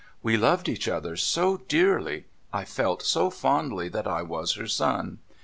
We loved each other so dearly — I felt so fondly that I was her son.